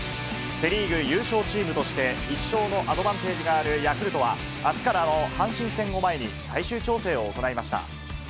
セ・リーグ優勝チームとして、１勝のアドバンテージがあるヤクルトは、あすからの阪神戦を前に、最終調整を行いました。